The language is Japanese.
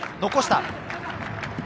残した。